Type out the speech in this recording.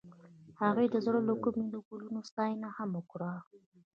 هغې د زړه له کومې د ګلونه ستاینه هم وکړه.